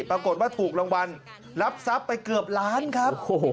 ปรากฏว่าถูกรางวัลรับทรัพย์ไปเกือบล้านครับ